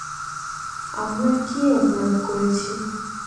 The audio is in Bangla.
আমরা কী অপরাধ করেছি!